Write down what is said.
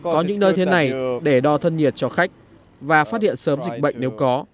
có những nơi thế này để đo thân nhiệt cho khách và phát hiện sớm dịch bệnh nếu có